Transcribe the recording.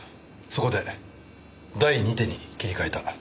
そこで第２手に切り替えた。